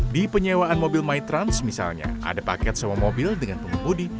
di penyewaan mobil my trans misalnya ada paket sewa mobil dengan pengemudi